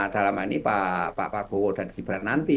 dalam hal ini pak pak bowo sudah dikibar nanti